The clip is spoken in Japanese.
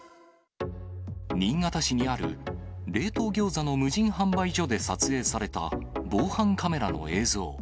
新潟市にある冷凍餃子の無人販売所で撮影された防犯カメラの映像。